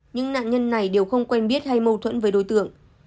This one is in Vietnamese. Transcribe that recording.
những nạn nhân này đều không quen biết hay mâu thuẫn với đối tượng